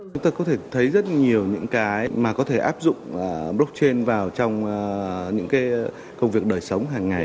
chúng ta có thể thấy rất nhiều những cái mà có thể áp dụng blockchain vào trong những công việc đời sống hàng ngày